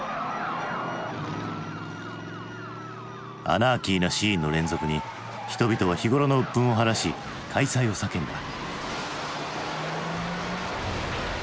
アナーキーなシーンの連続に人々は日頃の鬱憤を晴らし快哉を叫んだ。